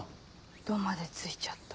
「ど」まで付いちゃった。